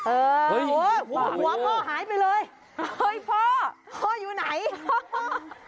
เออหัวพ่อหายไปเลยเฮ้ยพ่อพ่ออยู่ไหน